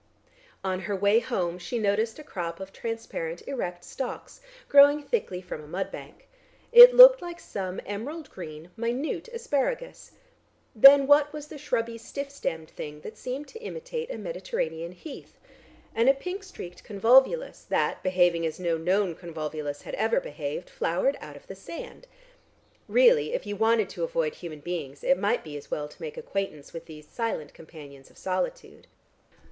On her way home she noticed a crop of transparent erect stalks growing thickly from a mud bank. It looked like some emerald green minute asparagus. Then what was the shrubby stiff stemmed thing that seemed to imitate a Mediterranean heath? And a pink streaked convolvulus that, behaving as no known convolvulus had ever behaved, flowered out of the sand? Really if you wanted to avoid human beings, it might be as well to make acquaintance with these silent companions of solitude.